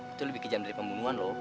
itu lebih kejam dari pembunuhan loh